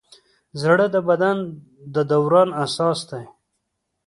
زړه د بدن د دوران اساس دی.